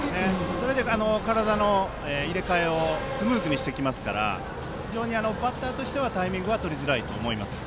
それで体の入れ替えをスムーズにしてきますから非常にバッターとしてはタイミングは取りづらいと思います。